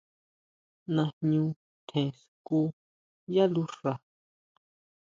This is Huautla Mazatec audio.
Ñajñu tjen skú yá luxa.